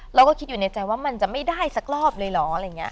เราก็คิดอยู่ในใจว่ามันจะไม่ได้สักรอบเลยเหรออะไรอย่างนี้